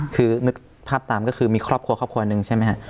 คือนึกภาพตามก็คือมีครอบครัวครอบครัวหนึ่งใช่ไหมฮะ